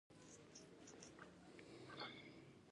د لوګر للمي ځمکې غنم کوي؟